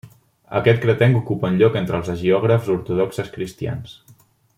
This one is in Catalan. Aquest cretenc ocupa un lloc entre els hagiògrafs Ortodoxes Cristians.